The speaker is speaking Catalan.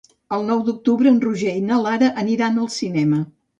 El nou d'octubre en Roger i na Lara aniran al cinema.